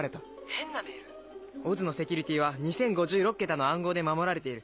ＯＺのセキュリティーは２０５６桁の暗号で守られている。